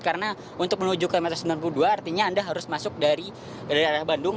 karena untuk menuju ke kilometer sembilan puluh dua artinya anda harus masuk dari bandung